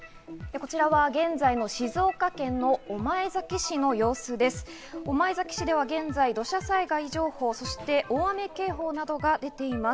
こちらは現在の静岡県の御前崎市の様子です。